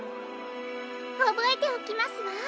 おぼえておきますわ。